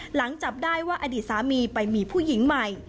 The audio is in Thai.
หลังจับได้ว่าอดีตสามีไปมีผู้หญิงใหม่